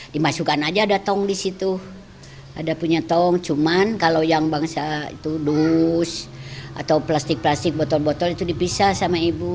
dimasukkan aja ada tong di situ ada punya tong cuman kalau yang bangsa itu dus atau plastik plastik botol botol itu dipisah sama ibu